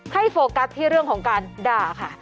โฟกัสที่เรื่องของการด่าค่ะ